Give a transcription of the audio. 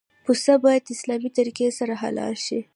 پسه باید د اسلامي طریقې سره حلال شي.